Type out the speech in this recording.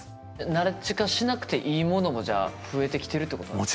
ナレッジ化しなくていいものもじゃあ増えてきてるってことなんですか？